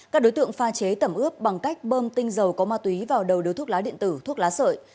các đối tượng pha chế tẩm ướp bằng cách bơm tinh dầu có ma túy vào đầu đều thuốc lá điện tử thuốc lá sợi